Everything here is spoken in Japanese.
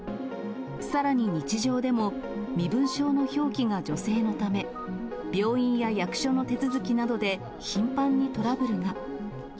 さらに日常でも、身分証の表記が女性のため、病院や役所の手続きなどで頻繁にトラブルが。